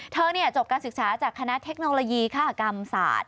จบการศึกษาจากคณะเทคโนโลยีฆากรรมศาสตร์